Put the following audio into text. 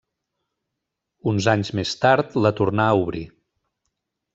Uns anys més tard la tornà a obrir.